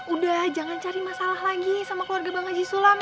udah jangan cari masalah lagi sama keluarga bang haji sulam